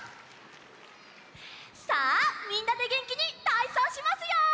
さあみんなでげんきにたいそうしますよ！